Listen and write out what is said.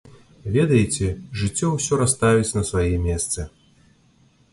Ведаеце, жыццё ўсё расставіць на свае месцы.